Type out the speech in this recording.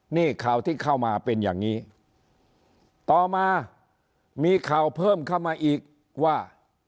นี่ข่าวที่เข้ามาเป็นอย่างนี้ต่อมามีข่าวเพิ่มเข้ามาอีกว่า